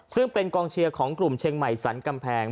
ซึ่งเป็นกองเชียร์ของกลุ่มเชียงใหม่สรรกำแพง